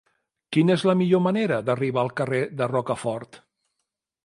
Quina és la millor manera d'arribar al carrer de Rocafort?